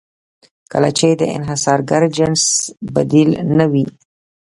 کله چې د انحصارګر جنس بدیل نه وي.